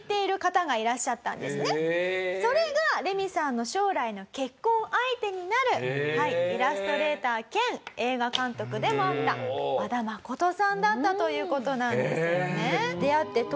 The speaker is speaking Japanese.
それがレミさんの将来の結婚相手になるイラストレーター兼映画監督でもあった和田誠さんだったという事なんですよね。